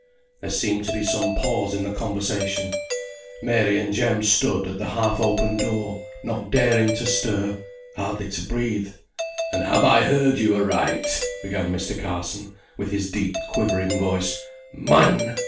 There seemed to be some pause in the conversation. Mary and Jem stood at the half open door, not daring to stir; hardly to breathe. "And have I heard you aright?" began Mr. Carson, with his deep quivering voice. "Man!